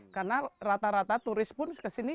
karena rata rata turis pun kesini